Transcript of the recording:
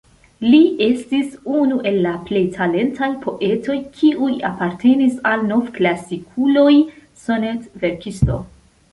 Li estis unu el la plej talentaj poetoj, kiuj apartenis al nov-klasikuloj, sonet-verkisto.